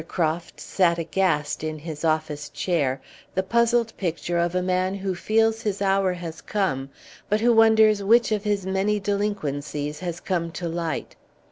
Crofts sat aghast in his office chair, the puzzled picture of a man who feels his hour has come, but who wonders which of his many delinquencies has come to light.